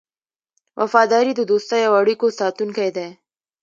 وفاداري د دوستۍ او اړیکو ساتونکی دی.